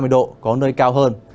ba mươi độ có nơi cao hơn